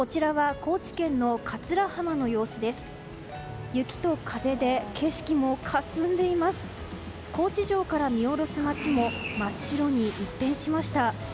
高知城から見下ろす街も真っ白に一変しました。